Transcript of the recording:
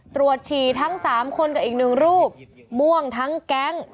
ฉี่ทั้ง๓คนกับอีกหนึ่งรูปม่วงทั้งแก๊ง